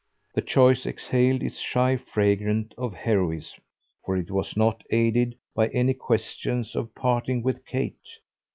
The choice exhaled its shy fragrance of heroism, for it was not aided by any question of parting with Kate.